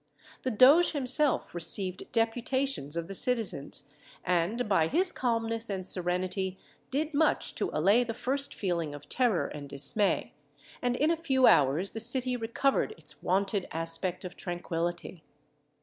The doge himself received deputations of the citizens, and, by his calmness and serenity, did much to allay the first feeling of terror and dismay; and in a few hours the city recovered its wonted aspect of tranquillity.